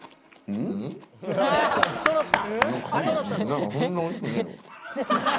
「そろった！」